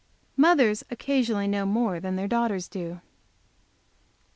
Mothers occasionally know more than their daughters do.